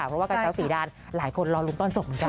เพราะว่ากับเซลล์สีดาลหลายคนรอรุมตอนสมจักร